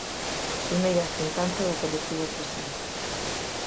Primeira xuntanza do colectivo Presenza.